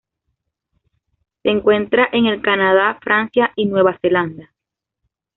Se encuentra en el Canadá, Francia y Nueva Zelanda.